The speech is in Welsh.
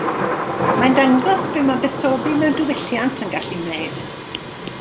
Mae'n dangos be ma buddsoddi mewn diwylliant yn gallu'i wneud.